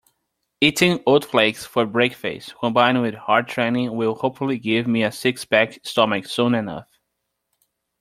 Eating oat flakes for breakfast combined with hard training will hopefully give me a six-pack stomach soon enough.